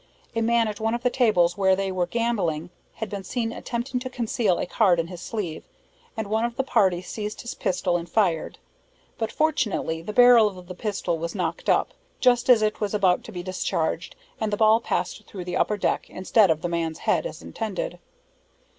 A man at one of the tables where they were gambling had been seen attempting to conceal a card in his sleeve, and one of the party seized his pistol and fired; but fortunately the barrel of the pistol was knocked up, just as it was about to be discharged, and the ball passed through the upper deck, instead of the man's head, as intended.